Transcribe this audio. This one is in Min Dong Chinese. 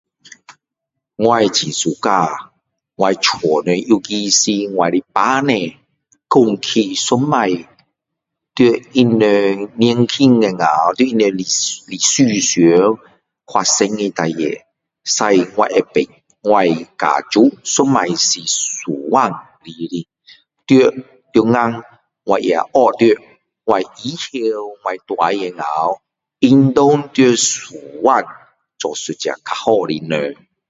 我很喜欢我家人尤其是我的父母说起以前在他们年轻的时候在他们的历史上发生的事情使我知道我家族以前所活的在其中我学到以后我大的时候应该要所望做一个比较好的人